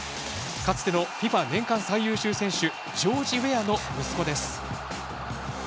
かつてのＦＩＦＡ年間最優秀選手ジョージ・ウェアの息子です。